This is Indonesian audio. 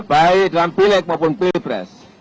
baik dalam pileg maupun pilpres